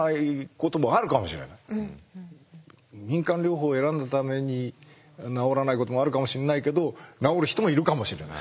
民間療法を選んだために治らないこともあるかもしんないけど治る人もいるかもしれない。